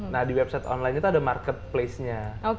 nah di website online itu ada marketplace nya